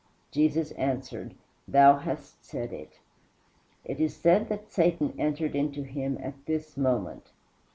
Jesus answered, "Thou hast said it." It is said that "Satan entered into him" at this moment.